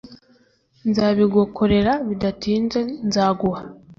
nzabigokorera bidatinze nzaguha